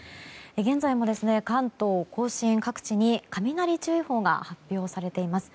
現在も、関東・甲信各地に雷注意報が発表されています。